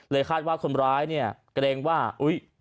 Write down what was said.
คาดว่าคนร้ายเนี่ยเกรงว่าอุ๊ย